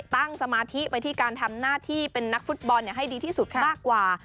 สมาธิไปที่การทำหน้าที่เป็นนักฟุตบอลให้ดีที่สุดมากกว่า